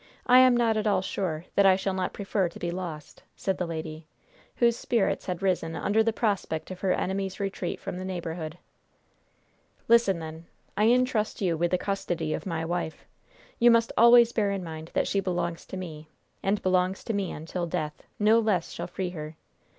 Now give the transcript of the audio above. I am not at all sure that I shall not prefer to be lost," said the lady, whose spirits had risen under the prospect of her enemy's retreat from the neighborhood. "Listen, then. I intrust you with the custody of my wife. You must always bear in mind that she belongs to me, and belongs to me until death; no less shall free her!